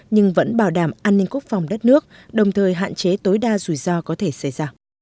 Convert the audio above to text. nhưng vẫn bảo đảm an ninh quốc phòng đất nước đồng thời hạn chế tối đa rủi ro có thể xảy ra